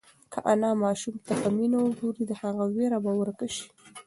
که انا ماشوم ته په مینه وگوري، د هغه وېره به ورکه شي.